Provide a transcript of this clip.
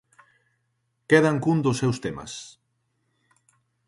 Quedan cun dos seus temas.